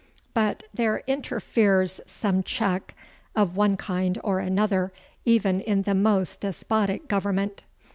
But there interferes some check of one kind or other even in the most despotic government.